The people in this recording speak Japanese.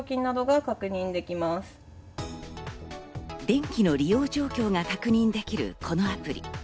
電気の利用状況が確認できるこのアプリ。